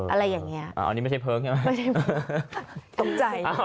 อะไรอย่างนี้อะไม่ใช่เพิร์คใช่มั้ยต้มใจ